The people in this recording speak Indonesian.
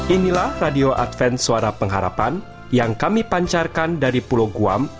inilah radio adven suara pengharapan yang kami pancarkan dari pulau guam